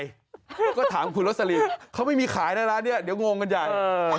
แล้วก็ถามคุณโรสลิเขาไม่มีขายนะร้านนี้เดี๋ยวงงกันใหญ่